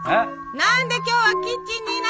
何で今日はキッチンにいないの！